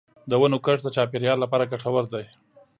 د ونو کښت د چاپېریال لپاره ګټور دی.